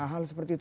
hal seperti itu